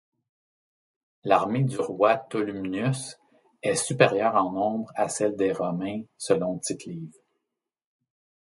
L'armée du roi Tolumnius est supérieure en nombre à celle des romains selon Tite-Live.